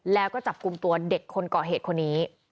แล้วก็จับกลุ่มตัวเด็กคนก่อเหตุคนนี้